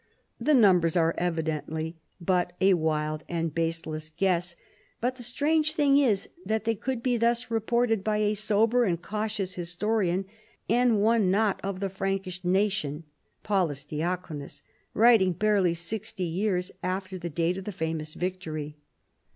The numbers are evidently but a wild and baseless guess, but the strange thing is that they could be thus reported by a sober and cautious historian, and one not of the Frankish nation (Paulus Diaconus),* writing barely sixty years after the date of the famous victory.